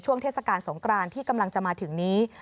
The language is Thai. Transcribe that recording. เทศกาลสงกรานที่กำลังจะมาถึงนี้